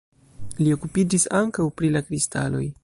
Li okupiĝis ankaŭ pri la kristaloj.